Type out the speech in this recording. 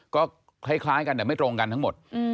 ก็คล้ายกันแต่ไม่ตรงกันทั้งหมด